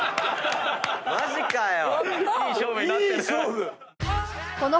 マジかよ。